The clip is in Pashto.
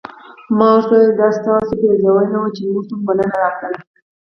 ما ورته وویل دا ستاسو پیرزوینه وه چې موږ ته مو بلنه راکړله.